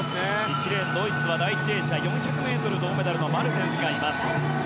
１レーン、ドイツは第１泳者に４００ｍ銅メダリストのマルテンスがいます。